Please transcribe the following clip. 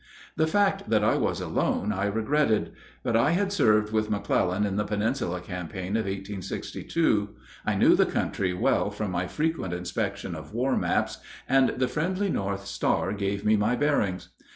The fact that I was alone I regretted; but I had served with McClellan in the Peninsula campaign of 1862, I knew the country well from my frequent inspection of war maps, and the friendly north star gave me my bearings.